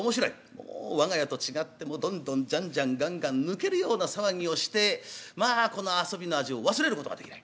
もう我が家と違ってどんどんじゃんじゃんがんがん抜けるような騒ぎをしてまあこの遊びの味を忘れることができない。